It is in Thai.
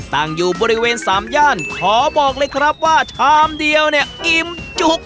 ตั้งอยู่บริเวณสามย่านขอบอกเลยครับว่าชามเดียวเนี่ยอิ่มจุก